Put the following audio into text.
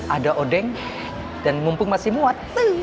ada odeng dan mumpung masih muat